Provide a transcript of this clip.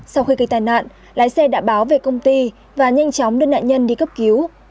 sau khi gây tai nạn lái xe đã báo về công ty và nhanh chóng đưa nạn nhân đi cấp cứu